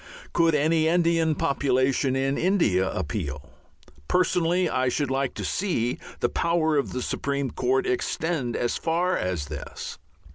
Could any Indian population in India appeal? Personally I should like to see the power of the Supreme Court extend as far as this.